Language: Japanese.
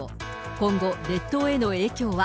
今後、列島への影響は。